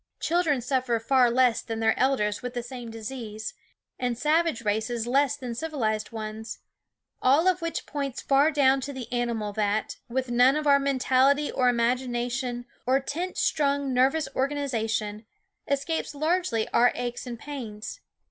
Children suffer far less than their elders with the same disease, and savage races less than civilized ones ; all of which points far down to the animal that, with none of our mentality or imagination or tense strung nervous organization, escapes largely our aches and pains.